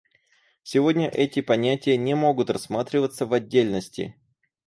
Сегодня эти понятия не могут рассматриваться в отдельности.